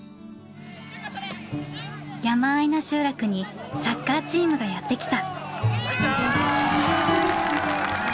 山あいの集落にサッカーチームがやって来た！